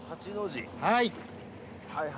はい。